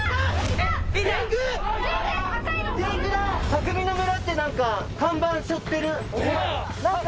「匠の村」って何か看板背負ってる。